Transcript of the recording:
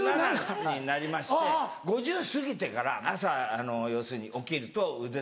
５７になりまして５０過ぎてから朝要するに起きると腕立て。